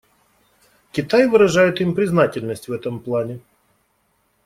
Китай выражает им признательность в этом плане.